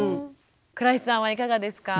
倉石さんはいかがですか？